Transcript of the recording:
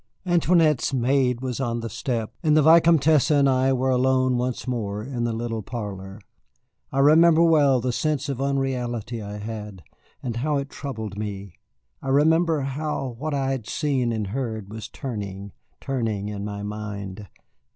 Antoinette's maid was on the step, and the Vicomtesse and I were alone once more in the little parlor. I remember well the sense of unreality I had, and how it troubled me. I remember how what I had seen and heard was turning, turning in my mind.